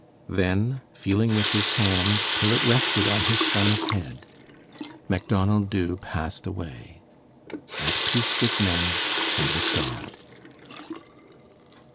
Then, feeling with his hand till it rested on his son's head, Macdonald Dubh passed away, at peace with men and with God.